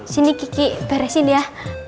sini kiki beresin ya